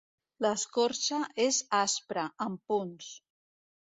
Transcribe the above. L'escorça és aspra, amb punts.